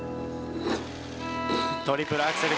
トリプルアクセル